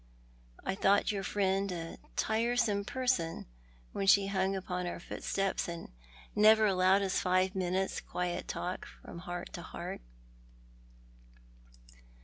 I thought your friend a tiresome person, when she hung upon our footsteps and never allowed us five minutes' quiet talk from heart to heart.